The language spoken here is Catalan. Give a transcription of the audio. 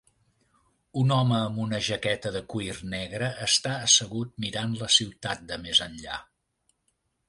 Un home amb una jaqueta de cuir negre està assegut mirant la ciutat de més enllà.